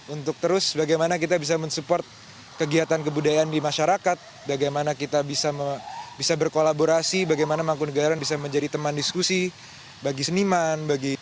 untuk terus bagaimana kita bisa mensupport kegiatan kebudayaan di masyarakat bagaimana kita bisa berkolaborasi bagaimana mangku negara bisa menjadi teman diskusi bagi seniman